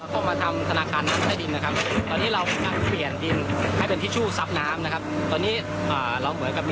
ที่มันท่วมเต็มเนี่ยแล้วก็กำลังไหลลงไปท่วมชาวบ้านนะครับ